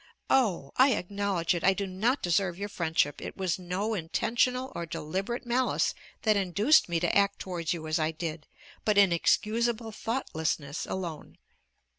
Oh! I acknowledge it, I do not deserve your friendship. It was no intentional or deliberate malice that induced me to act towards you as I did but inexcusable thoughtlessness alone.